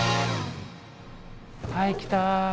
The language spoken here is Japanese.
はい来た。